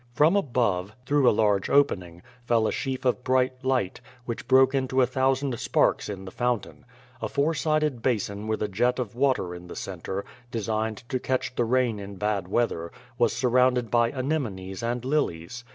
From above, through a large opening, fell a sheaf of bright light, which broke into a thousand sparks in the fountain. A four sided basin with a jet of water in the centre, designed to catch the rain in bad weather, was surrounded by anemones and lilies.